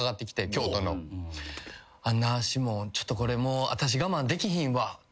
「あんな士門ちょっとこれもう私我慢できひんわ」